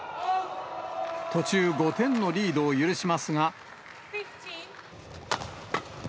途中、５点のリードを許しますが。